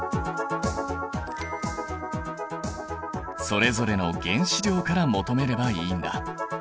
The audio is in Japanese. それぞれの原子量から求めればいいんだ。